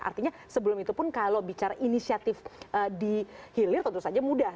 artinya sebelum itu pun kalau bicara inisiatif di hilir tentu saja mudah